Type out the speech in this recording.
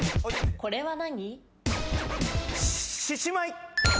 これは何？